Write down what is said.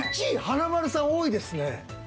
１位華丸さん多いですね。